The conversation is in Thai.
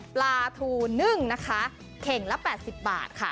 ปลาทูนึ่งนะคะเข่งละ๘๐บาทค่ะ